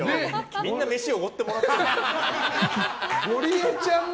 みんな飯おごってもらってるの？